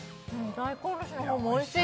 大根おろしの方もおいしい